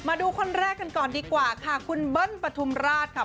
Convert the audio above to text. มาดูคนแรกกันก่อนดีกว่าค่ะคุณเบิ้ลปฐุมราชค่ะ